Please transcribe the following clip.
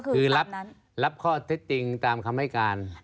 คือรับข้อเท็จจริงตามคำให้การ